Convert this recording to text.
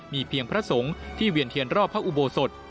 มีเพียงพระสงฆ์ที่เวียนเทียนรอบพระอุโบสถ